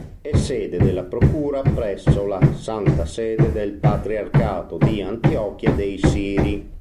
È sede della procura presso la Santa Sede del Patriarcato di Antiochia dei Siri.